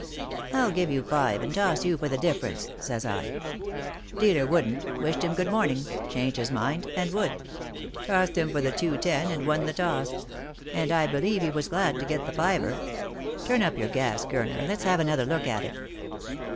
" I'll give you five, and toss you for the difference," says I. Dealer wouldn't — wished him good morning — changed his mind and would. Tossed him for the two ten, and won the toss. And I believe he was glad to get the fiver. Turn up your gas, Gurner, and let's have another look at it."